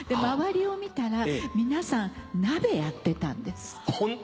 周りを見たら皆さん鍋やってたんです。